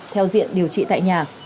theo diện điều trị tại nhà